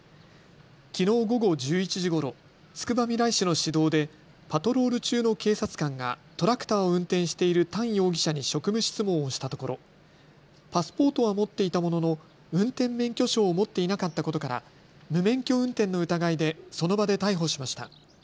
きのう午後１１時ごろ、つくばみらい市の市道でパトロール中の警察官がトラクターを運転しているタン容疑者に職務質問をしたところ、パスポートは持っていたものの運転免許証を持っていなかったことから無免許運転の疑いで、その場で逮捕しました。